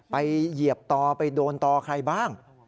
เหยียบตอไปโดนต่อใครบ้าง